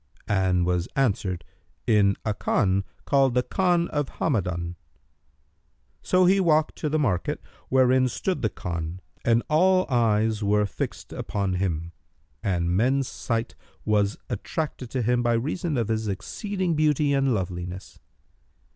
and was answered, "In a Khan called the Khan of Hamadбn."[FN#306] So he walked to the market wherein stood the Khan, and all eyes were fixed upon him and men's sight was attracted to him by reason of his exceeding beauty and loveliness.